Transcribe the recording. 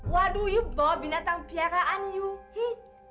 waduh you bawa binatang piaraan you